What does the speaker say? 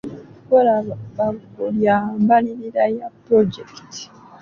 Nkola bbago lya mbalirira ya pulojekiti.